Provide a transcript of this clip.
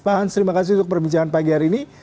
pak hans terima kasih untuk perbincangan pagi hari ini